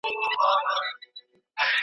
ډیپلوماټان ولي په ګډه اقتصادي همکاري کوي؟